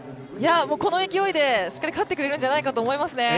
この勢いでしっかり勝ってくれるんじゃないかと思いますね。